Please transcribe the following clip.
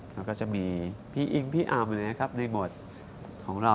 มันก็จะมีพี่อิงพี่อาร์มในหมดของเรา